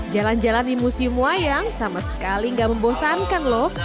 jalan jalan di museum wayang sama sekali nggak membosankan loh